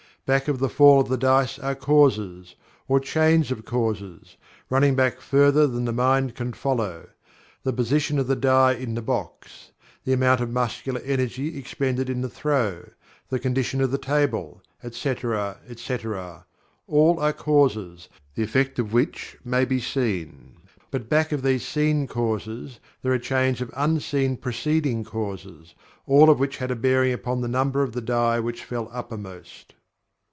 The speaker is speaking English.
Back of the fall of the die are causes, or chains of causes, running back further than the mind can follow. The position of the die in the box; the amount of muscular energy expended in the throw; the condition of the table, etc., etc., all are causes, the effect of which may be seen. But back of these seen causes there are chains of unseen preceding causes, all of which had a bearing upon the number of the die which fell uppermost.